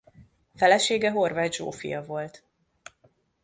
Felesége Horváth Zsófia volt.